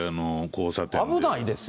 危ないですよ。